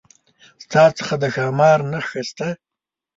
ستا څخه د ښامار نخښه شته؟